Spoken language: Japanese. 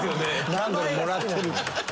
何度ももらってる。